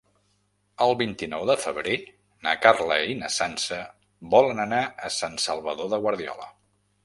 El vint-i-nou de febrer na Carla i na Sança volen anar a Sant Salvador de Guardiola.